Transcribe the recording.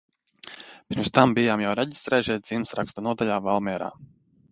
Pirms tam bijām jau reģistrējušies dzimtsarakstu nodaļā Valmierā.